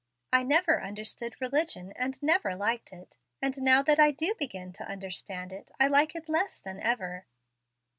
I never understood religion and never liked it; and now that I do begin to understand it, I like it less than ever."